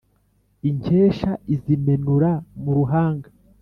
inkesha izimenura mu ruhanga